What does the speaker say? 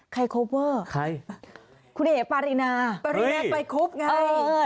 ใครโคเวอร์คุณเอกปารินาปารินาปลายคุบไง